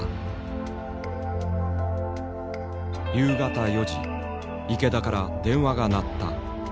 夕方４時池田から電話が鳴った。